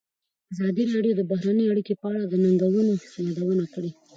ازادي راډیو د بهرنۍ اړیکې په اړه د ننګونو یادونه کړې.